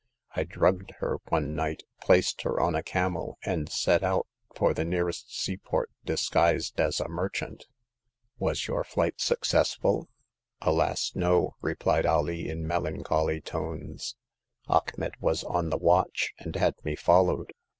I drugged her one night, placed her on a camel, and set out for the nearest seaport disguised as a merchant. Was your flight successful ?"Alas, no,'* replied Alee, in melancholy tones. " Achmet w^as on the watch, and had me followed.